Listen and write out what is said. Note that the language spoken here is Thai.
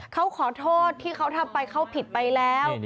เขาขอโทษที่เขาทำไปเขาผิดไปแล้ว